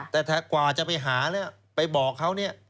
แต่กว่าจะไปหาไปบอกเขา